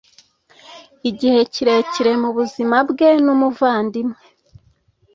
Igihe kirekire mubuzima bwen umuvandimwe